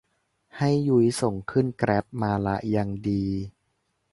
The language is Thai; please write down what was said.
ให้ยุ้ยส่งขึ้นแกร๊บมาละ ยังดี